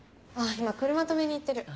今車止めに行ってる。